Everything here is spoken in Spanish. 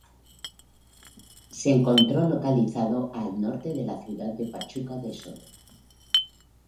Se encuentro localizado al norte de la ciudad de Pachuca de Soto.